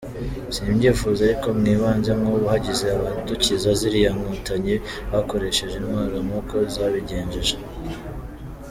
Simbyifuza ariko mwibaze nk’ubu hagize abadukiza ziriya Nkotanyi bakoresheje intwaro nk’uko zabigenje.